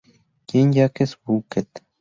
Jean-Jacques Bouquet.